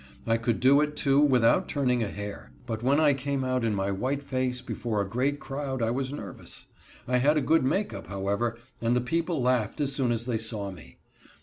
I could do it, too, without turning a hair. But when I came out in my white face before a great crowd I was nervous. I had a good make up, however, and the people laughed as soon as they saw me.